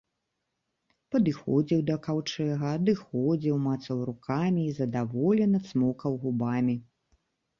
Падыходзіў да каўчэга, адыходзіў, мацаў рукамі і задаволена цмокаў губамі.